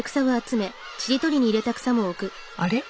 あれ？